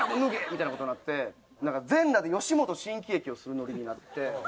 みたいな事になって全裸で吉本新喜劇をするノリになって。